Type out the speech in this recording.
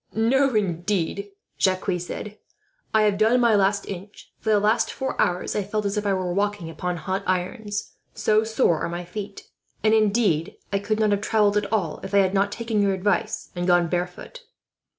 "No, indeed," Jacques said, "I have done my last inch. For the last four hours I felt as if walking upon hot irons, so sore are my feet; and indeed, I could not have travelled at all, if I had not taken your advice and gone barefoot."